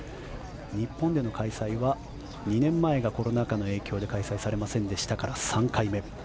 日本での開催は２年前がコロナ禍の影響で開催されませんでしたから３回目。